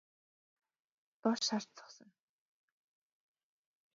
Чөтгөр уруу царайлан доош харж зогсоно.